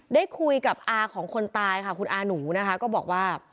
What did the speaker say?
ได้คุยกับอาของคนตายค่ะคุณอาหนูนะคะก็บอกว่า